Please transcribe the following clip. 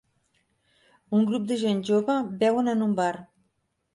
un grup de gent jove beuen en un bar.